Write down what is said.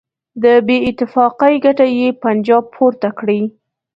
د بېاتفاقۍ ګټه یې پنجاب پورته کړي.